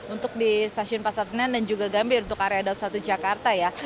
untuk di stasiun pasar senen dan juga gambir untuk area daup satu jakarta ya